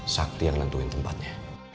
sakti yang nentuin tempatnya